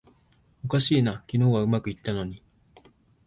おかしいな、昨日はうまくいったのに